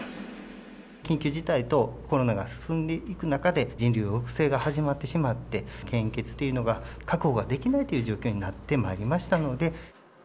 緊急事態とコロナが進んでいく中で、人流抑制が始まってしまって、献血というのが確保ができないという状況になってまいりましたので。